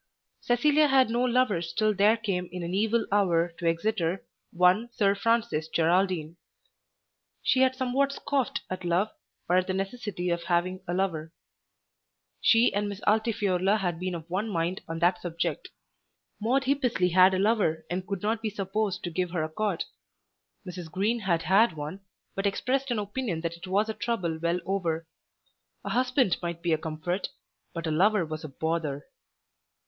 Cecilia had no lovers till there came in an evil hour to Exeter one Sir Francis Geraldine. She had somewhat scoffed at love, or at the necessity of having a lover. She and Miss Altifiorla had been of one mind on that subject. Maude Hippesley had a lover and could not be supposed to give her accord. Mrs. Green had had one, but expressed an opinion that it was a trouble well over. A husband might be a comfort, but a lover was a "bother."